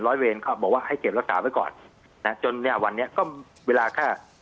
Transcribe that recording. เวรเขาบอกว่าให้เก็บรักษาไว้ก่อนนะจนเนี่ยวันนี้ก็เวลาแค่